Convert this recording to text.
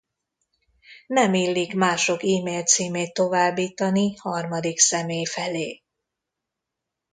Nem illik mások e-mail-címét továbbítani harmadik személy felé.